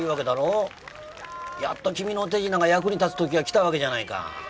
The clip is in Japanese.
やっと君の手品が役に立つ時が来たわけじゃないか。